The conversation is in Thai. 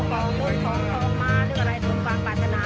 เดี๋ยวไปดูบรรยากาศกันค่ะ